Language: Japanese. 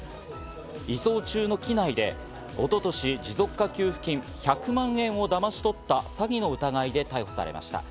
移送中の機内で一昨年、持続化給付金１００万円をだまし取った詐欺の疑いで逮捕されました。